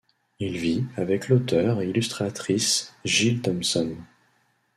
Il vit avec l'auteur et illustratrice Jill Thompson.